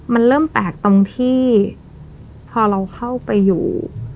มันเริ่มแปลกตรงที่พอเราเข้าไปอยู่